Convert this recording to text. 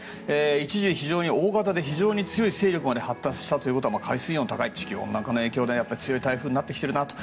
一時、大型で非常に強い勢力まで発達したということは海水温が高い地球温暖化の影響で強い台風になってきているなと。